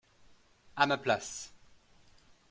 à ma place.